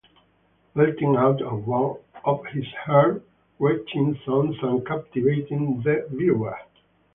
Belting out one of his heart wrenching songs and captivating the viewer.